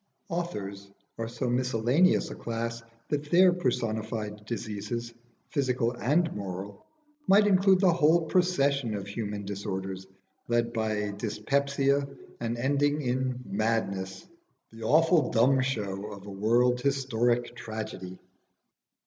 Authors are so miscellaneous a class that their personified diseases, physical and moral, might include the whole procession of human disorders, led by dyspepsia and ending in madness the awful Dumb Show of a world historic tragedy.